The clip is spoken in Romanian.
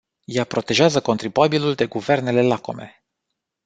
Ea protejează contribuabilul de guvernele lacome.